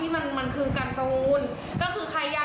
แต่ว่าร็อกนั้นก็คือด้วยความที่มันคือการประมูล